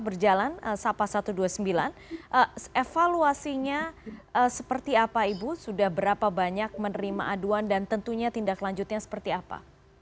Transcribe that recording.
berjalan sapa satu ratus dua puluh sembilan evaluasinya seperti apa ibu sudah berapa banyak menerima aduan dan tentunya tindak lanjutnya seperti apa